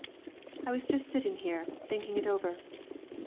"I was just sitting here thinking it over."